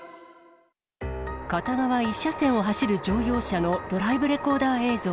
片側１車線を走る乗用車のドライブレコーダー映像。